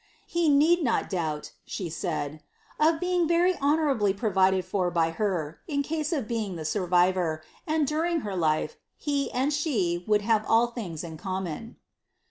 '• He need not doubt," she said, '* of being very honourably provided for by her, in case of being the survivor, and, during her life, he and she would have all things in common."'